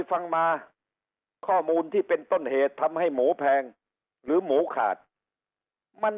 ฟังมาข้อมูลที่เป็นต้นเหตุทำให้หมูแพงหรือหมูขาดมัน